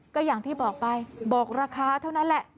ก็อย่างที่บอกไปบอกราคาเท่านั้นแหละ